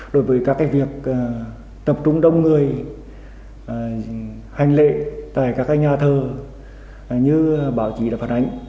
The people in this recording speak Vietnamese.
đối với các cái việc tập trung đông người hành lệ tại các cái nhà thờ như báo chí đã phản ánh